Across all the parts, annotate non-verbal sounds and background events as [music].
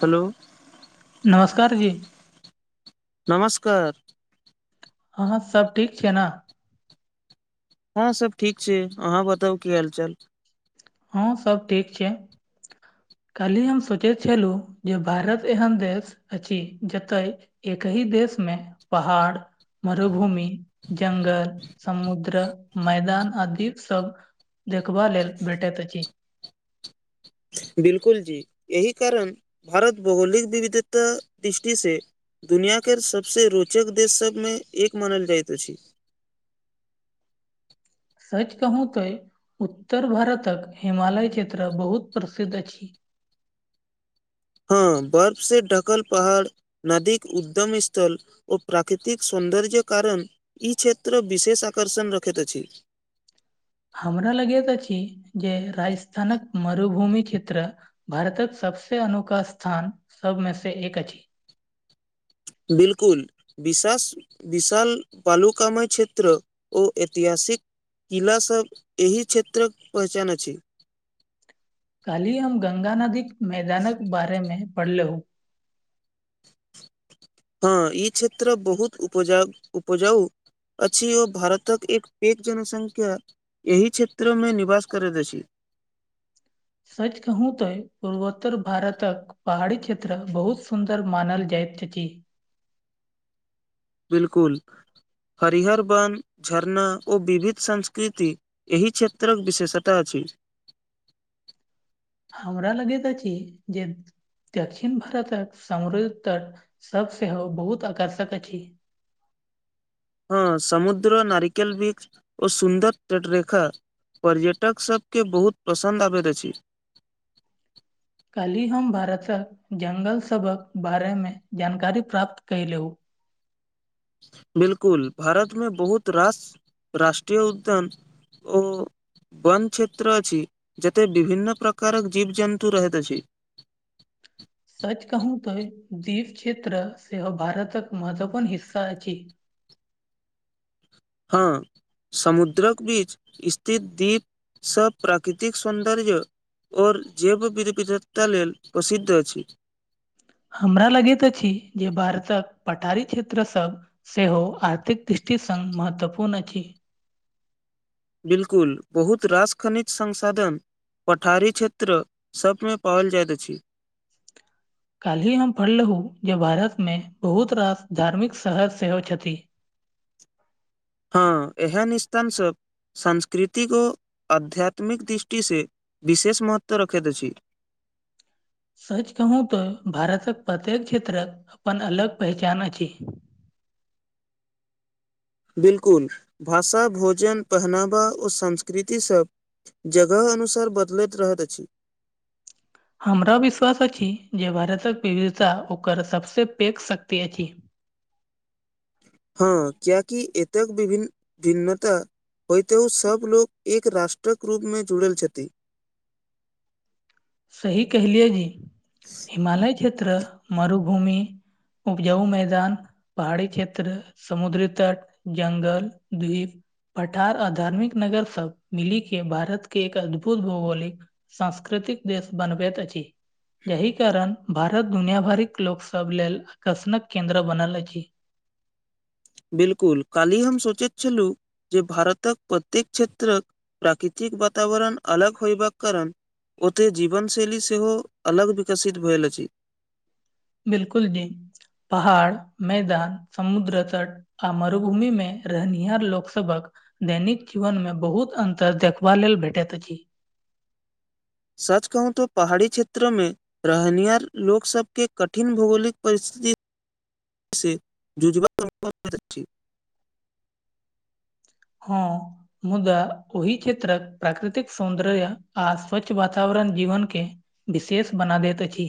Hello. नमस्कार जी। नमस्कार। आहाँ सब ठीक छिये नऽ। हँं सब ठीक छी अहाँ बताउ की हाल चाल। हँ सब ठीक छिये काल्हि हम सोचैत छलहुँ जे भारत एहन देश अछि जतय। एक ही देश मे पहाड़ मरुभूमि। जंगल समुद्र मैदान आदि सब। देखबाल लेल भेटैत अछि बिल्कुल जी एहि कारण भारत भौगोलिक विविधता दृष्टि से। दुनिआके सबसँ रोचक देश सभमे एक मानल जाइत अछि। सच कहू तो उत्तर भारतक हिमालय क्षेत्र बहुत प्रसिद्ध अछि। हँ बर्फ सऽ ढकल पहाड़। नदीीक उद्यम स्थल ओ प्राकृतिक सौन्दर्य कारण। ई क्षेत्र विशेष आकर्षण रखैत अछि। हमरा लगैत अछि जे राजस्थानक मरुभूमि क्षेत्र। भारतक सबसे अनोोखा स्थान सबमे से एक अछि। बिल्कुल विशास विशाल पालुकामय क्षेत्र ओ ऐतिहासिक। किला सब एहि क्षेत्रक पहचान अछि काल्हि हम गंगा नदी मैदानक बारे मे पढ़ले हं। [inaudible] हँ ई क्षेत्र बहुत उपजाउ -उपजाउ अछि ओ भारतक एक पैघ जनसंख्या एहि क्षेत्र मे निवास करैत अछि सच कहू तऽ पूर्वोत्तर भारतक पहाड़ी क्षेत्र बहुत सुन्दर मानल जाइत अछि बिल्कुल हरिहर बन झरना ओ विभिध संस्कृति एहि क्षेत्रक विशेषता अछि। हमरा लगैत अछी जे। दक्षिण भारतक समृद्ध तट सब सेहो बहुत आकर्षक अछि। हँ समुद्र नारिकेल वृक्ष ओ सुन्दर तटरेखा। पर्यटक सबके बहुत पसन्द आबैत अछि। काल्हि हम भारतक जङ्गल सभक बारेमे जानकारी प्राप्त कयलहुँ। बिल्कुल भारतमे बहुत रास राष्ट्रीय उद्यान ओ बन क्षेत्र अछि जेते विभन्न प्रकार जीव जन्तु रेहत अछि सच कहू तऽ दीप क्षेत्र सेहो भारतक महत्वपूर्ण हिस्सा अछि हँ समुद्रक बीच स्थित दीप सभ प्राकृतिक सौन्दर्य ओर जैव विध -विधधता लेल प्रसिद्ध अछि हमरा लगैत अछि जे भारतक पठारी क्षेत्र सँ सेहो आर्थिक दृष्टि संग महत्वपूर्ण अछि बिल्कुल बहुत रास खनिज संसाधन पठारी क्षेत्र सभमे पाओल जाइत अछि काल्हिी हम पढ़लूँ जे भारत मे बहुत रास धार्मिक शहर सेहो छथि हँ ऐहण स्थान सब सांस्कृतिक ओ आध्यात्मिक दृष्टि से विशेष महत्व रखैत अछि सच कहू तऽ भारतक प्रत्येक क्षेत्रक अपन अलग पहचान अछी बिल्कुल भाषा भोजन पहनावा ओ संस्कृति सब जगह अनुसार बदलैत रहैत अछि हमरा विश्वास अछि जे भारतक विविधता ओकर सभ सँ पैघ शक्ति अछि हँ कियाकि एतेक विभिन्न -भिन्नता होइतेहु सभ लोक एक राष्ट्रक रूपमे जुड़ल छथि [inaudible] सही केहे लियए जी हिमालय क्षेत्र मरुभूमि उपजाउ मैदान पहाड़ी क्षेत्र समुद्री तट जंगल द्वीप पठार आधार्मिक नगर सब मिली के भारत के एक अद्भुत भौगोलिक संंस्कृतिक देश बनबैत अछि यहि कारण भारत दुनिया भरिक लोक सब लेल आकर्षण केंन्द्र बनल अछि बिल्कुल काल्हि हम सोचैत छलहुँ जे भारतक प्रत्येक क्षेत्र प्राकृतिक बातावरण अलग होयबाक कारण ओते जीवनशैली सेहो अलग विकासित भेल अछि बिल्कुल नई पहाड़ मैदान समुद्र तट आ मरुभूमि में रहनिहार लोक सबहक दैनिक जीवन मऽ बहुत अन्तर देखबा लेल भेटैत अछि सच कहू तऽ पहाड़ी क्षेत्र में रहिनीहार लोकसभके कठिन भौगोलिक परिस्थिति [unintelligible] बहूत-अछि हँ मुद्दा ओहि क्षेत्रक प्राकृतिक सौन्दर्य आ स्वच्छ वातावरण जीवन के विशेष बना दैत अछि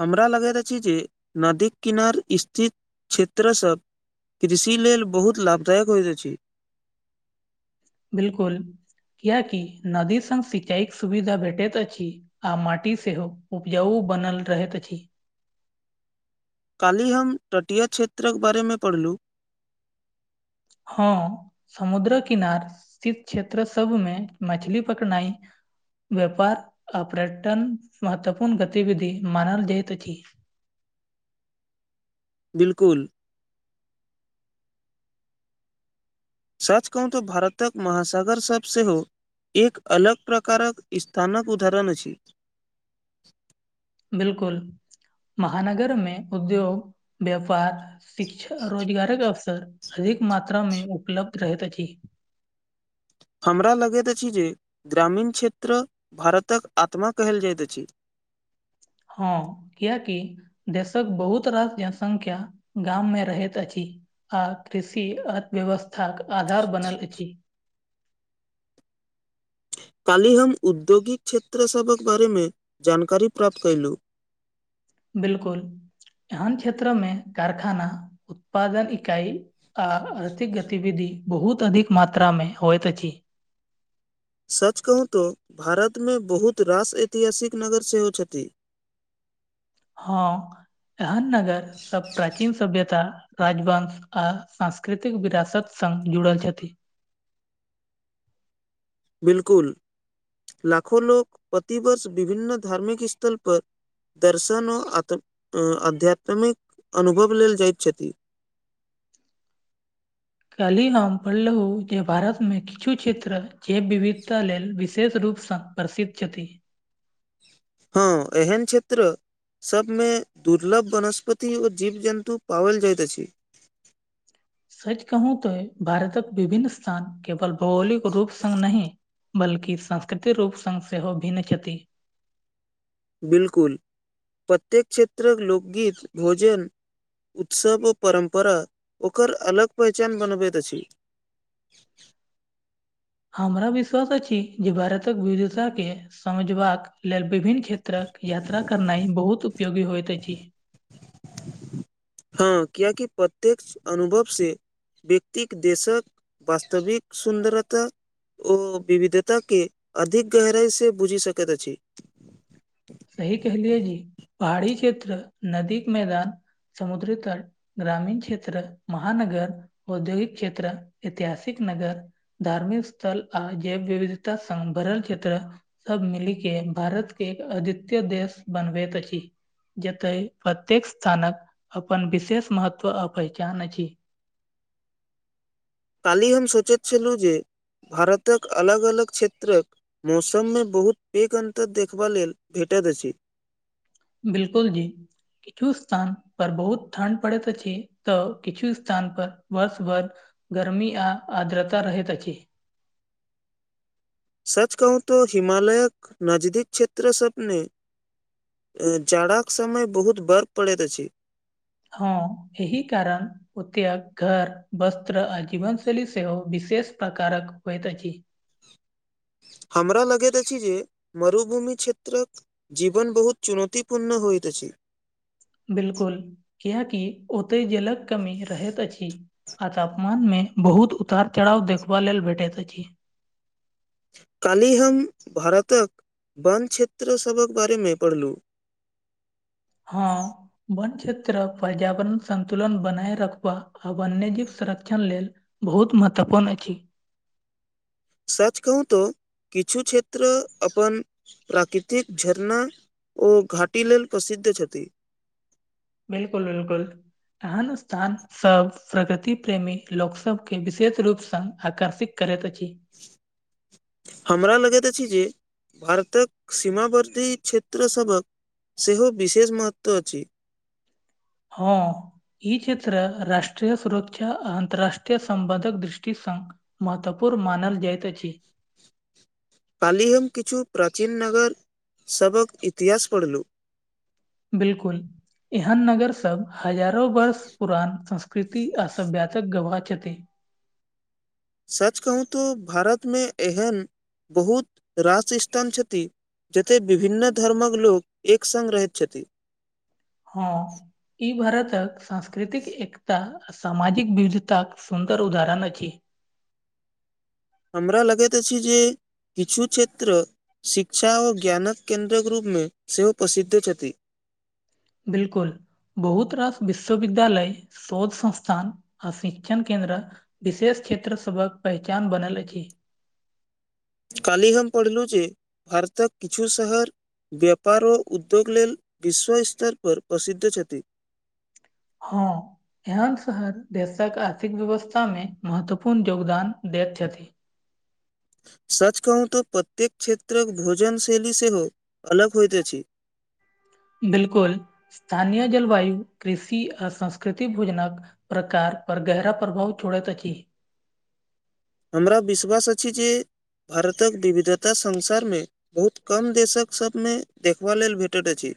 हमरा लगैत अछि जे नदीक किनार स्थित क्षेत्र सब कृषि लेल बहुत लाभदायक होइत अछि बिलकुल कियकि नदी संग सिंचाईक सुविधा भेटैत अछि आ माटी सेहो उपजाऊ बनल रहैत अछि काल्हि हम तटीय क्षेत्रक बारेमे पढ़लू हँ समुद्रक किनार स्थित क्षेत्र सबमे मछली पकरनाई व्यापार आ पर्यटन महत्वपूर्ण गतिविधि मानल जाइत अछि बिल्कुल साच कहू तऽ भारतक महासागरसभ सेहो एक अलग प्रकारक स्थानक उदाहरण अछि बिलकुल महानगर मे उद्योग व्यापार शिक्ष रोजगारक अवसर अधिक मात्रामे उपलब्ध रहैत अछि हमरा लगैत अछि जे ग्रामीण क्षेत्र भारतक आत्मा कहेल जाइत अछि हँ किए कि देशक बहुत रास जनसंख्या गाम मे रहैत अछि आ कृषि अर्थव्यवस्थाक आधार बनल अछि काल्हि हम औद्योगिक क्षेत्र सभक बारेमे जानकारी प्राप्त कएलु बिलकुल एहन क्षेत्र में कारखाना उत्पादन इकाई आ अर्थिक गतिविधि बहुत अधिक मात्रा मे होइत अछि सच कहू तऽ भारतमे बहुत रास ऐतिहासिक नगर सेहो छथि हँ एहन नगर सब प्राचीन सभ्यता राजवंश आ सांस्कृतिक विरासत संग जुड़ल छथि बिलकुल लाखो लोक प्रतिवर्ष विभिन्न धार्मिक स्थल पर दर्शन आत्म आध्यात्मिक अनुभव लेल जाइत छथि काल्हि हम पढ़लहु जे भारत में किछु क्षेत्र जैव विविधता लेल विशेष रूपसँ प्रसिद्ध छथि हँ एहन क्षेत्र सब मे दुर्लभ वनस्पति और जीव जन्तु पाओल जाइत अछि सच कहू तो भारतक विभिन्न स्थान केवल भौगोलिक रूप संग नहि बल्कि सास्कृतिक रूप संग सेहो भिन्न छथि बिलकुल प्रत्येक क्षेत्रक लोकगीत भोजन उत्सव अ परम्परा ओकर अलग पहचान बनबैत अछि हमरा विश्वास अछि जे भारतक विविधताके समझबाक लेल विभिन्न क्षेत्रक यात्रा करनाई बहुत उपयोगी होइत अछि हँ कियाकि प्रत्येक अनुभव से व्यक्तिक देशक वास्तविक सुन्दरता ओ विविधताके अधिक गहराइ से बुझि सकैत अछि सही कहलियए जी पहाड़ी क्षेत्र नदीक मैदान समुद्री तट ग्रामीण क्षेत्र महानगर औद्योगिक क्षेत्र ऐतिहासिक नगर धार्मिक स्थल आ जैव विविधता संग भरल क्षेत्र सब मिली के भारत के एक अद्वितय देश बनबैत अछि जतए प्रत्येक स्थानक अपन विशेष महत्व आ पहचान अछि काल्हि हम सोचैत छलहुँ जे भारतक अलग अलग क्षेत्रक मौसममे बहुत पैघ अन्तर देखबा लेल भेटैत अछि बिल्कुल जी किछु स्थान पर बहुत ठण्ड पड़ैत छै तऽ किछु स्थान पर वर्ष भर गर्मी आ आर्द्रता रहैत अछि सच कहू तो हिमालयक नजदीक क्षेत्र सब में जाड़ाक के समय बहुत बर्फ पड़ैत अछि हँ एहि कारण ओत घर वस्त्र आ जीवन शैली सेहो विशेष प्रकारक होइत अछि हमरा लगैत अछि जे मरुभूमि क्षेत्रक जीवन बहुत चुनौतीपूर्ण होइत अछि बिल्कुल किियकि ओतहि जेलक कमी रहैत अछि आ तापमान मे बहुत उतार चढ़ाव देखबा लेल भेटैत अछि। काल्हि हम भारतक वन क्षेत्र सभक बारेमे पढ़लहुँ। हँ। वन्य क्षेत्रक पर्यावरण संन्तुलन बनाय रखबा आ वन्यजीव संरक्षण लेल। बहुत महत्वपूर्ण अछि सच कहू तो किछु क्षेत्र अपन प्राकृतिक झरना। ओ घाटी लेल प्रसिद्ध छथि। बिल्कूल बिल्कुल ऐहेन स्थान। सभ प्रकृति प्रेमी लोकसभकेँ विशेष रूपसँ आकर्षित करैत अछि। [inaudible] हमरा लगैत अछि जे भारतक सीमावर्तीी क्षेत्र सबहक सेहो विशेष महत्व अ अछि। हँ। ईी क्षेत्र राष्ट्रीय सुरक्षा अन्तरराष्ट्रीय संबन्धक दृष्टि संग। महत्वपूर् मानल जाइतत अछि। काल्हि हम किछु प्राचीन नगर सबक इतिहास पढ़लुँ। बिल्कूल एहन नगर सब। हजारो वर्ष पुुरान संस्कृति आ सभभ्यातक गबाह छथि। सच कहू तऽ भारतमे एहन बहुत रासस्थान छथि। जते विभिन्न धर्मक लोकग एक संग रहैत छथि। हँ ई भारतक सांस्कृतिक एकता। सामाजिक विविधतााक सुन्दर उदाहरण अछि। हमरा लगैत अछि जे। किछु क्षेत्र शिक्षा आ ज्ञानक केन्द्रक रूपमे सेहो प्रसिद्ध छथि। बिल्कुल बहुत रास विश्वविद्यालय शोध संस्थान आ शिक्षण केन्द्र। विशेष क्षेत्र सभक पहचान बनल अछि। काल्हि हम पढ़लहुँ जे भारतक किछु शहर। व्यापारो उद्योग लेल विश्व स्तर पर प्रसिद्ध छथि। हँ। एहन शहर देशक आर्थिक व्यवस्थामे महत्वपूर्ण योगदान दैत छथि। सच कहू तऽ प्रत्येक क्षेत्रक भोजन शैली सेहो अलग होइत अछि। बिल्कुल स्थानीय जलवायु कृषि आ संस्कृति भोजनक। प्रकार पर गहरा प्रभाव छोड़ैत अछि। हमरा विश्वास अछि जे भारतक विविधता संसार में बहुत कम देश कऽ सभ मे देखबा लेल भेटैत अछि।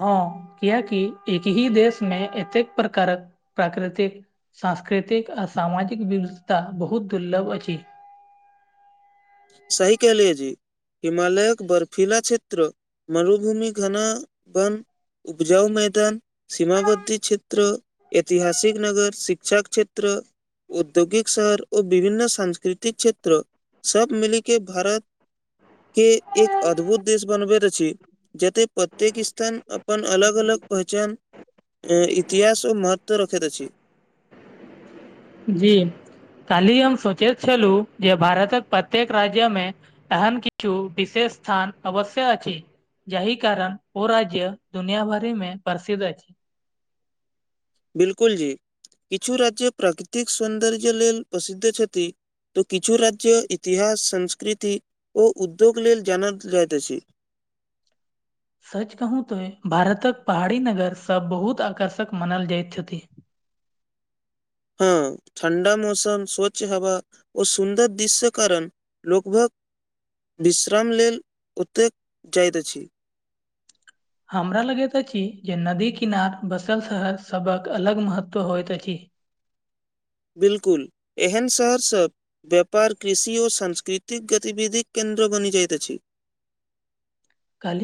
हँ कियकि एक ही देश में एतेक प्रकारक प्राकृतिक। सांस्कृतिक आ सामाजिक विविधता बहुत दुर्लभ अछि। सही केहलिय जी। हिमालयक बर्फिला क्षेत्र मरुभूमि घना वन उपजाउ मैदान सीमावर्ती क्षेत्र। ऐतिहासिक नगर शिक्षा केँ क्षेत्र। औद्योगिक शहर ओ विभन्न सांस्कृतिक क्षेत्र। मिल केँ भारत [inaudible] केँ एक अद्भुत देश बनबैत अछि जते प्रत्येक स्थान अपन अलग अलग पहचान। अ इतिहास ओ महत्व रखैत अछी जी [inaudible] काल्हि हम सोचैत छलू जे भारत कऽ प्रत्येक राज्य में एहन किछु विशेष स्थान अवश्य अछि जाहि कारण ओ राज्य दुनिया भरि में प्रसिद्ध अछि। बिल्कुल जी [inaudible] किछु राज्य प्राकृतिक सौन्दर्य लेल प्रसिद्ध छथि। तऽ किछु राज्य इतिहास संस्कृति ओ उद्योग लेल जानल जाइत अछि। सच कहू तो भारतक पहाड़ी नगर सभ बहुत आकर्षक मानल जाइत छथि। हँ ठण्डा मौसम स्वच्छ हवा ओ सुन्दर दृश्य कारण। लोभग [inaudible] विश्राम लेल ओतेक जाइत अछि। हमरा लगैत अछि जे नदी किनार बसल शहर सभक अलग महत्त्व होइत अछि। बिल्कुल एहन शहर सभ। व्यापार कृषि ओ सांस्कृतिक गतिविधिक केन्द्र बनि जाइत अछि। काल्हि